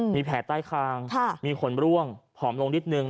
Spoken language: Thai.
มีแผลใต้คางมีขนร่วงผอมลงนิดนึง